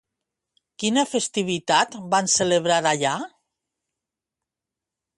Quina festivitat van celebrar allà?